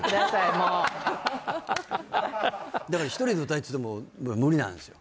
もうだから１人で歌えっつっても無理なんですよ